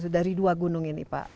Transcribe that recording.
dari dua gunung ini pak